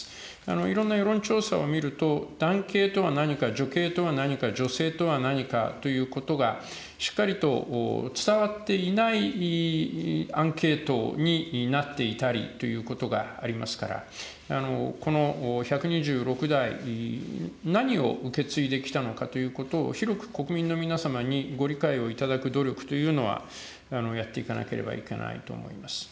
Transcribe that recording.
いろんな世論調査を見ると、男系とは何か、女系とは何か、女性とは何かということが、しっかりと伝わっていないアンケートになっていたりということがありますから、この１２６代、何を受け継いできたのかということを、広く国民の皆様にご理解をいただく努力というのは、やっていかなければいけないと思います。